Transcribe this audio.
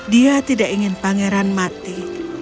dia tidak ingin pangeran mati